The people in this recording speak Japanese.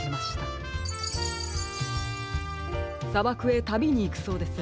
さばくへたびにいくそうです。